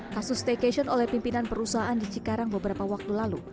kasus staycation oleh pimpinan perusahaan di cikarang beberapa waktu lalu